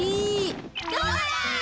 どうだ！